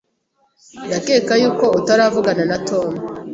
Ndakeka yuko utaravugana na Tom.